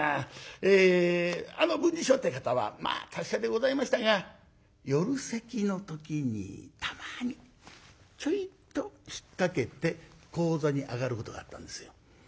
あの文治師匠って方はまあ達者でございましたが夜席の時にたまにちょいと引っ掛けて高座に上がることがあったんですよ。